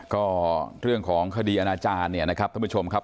ก็เรื่องของคดีอาณาจารย์เนี่ยนะครับท่านผู้ชมครับ